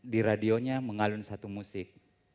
di radionya mengalun satu musik